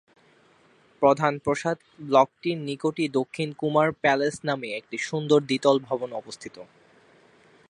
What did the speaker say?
প্রধান প্রাসাদ ব্লকটির নিকটেই দক্ষিণে ‘কুমার প্যালেস’ নামে একটি সুন্দর দ্বিতল ভবন অবস্থিত।